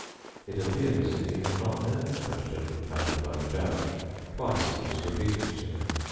It appeared as if he had not heard the question propounded by the judge. Twice it was repeated to him.